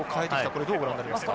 これどうご覧になりますか？